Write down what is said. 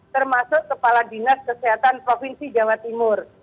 termasuk kepala dinas kesehatan provinsi jawa timur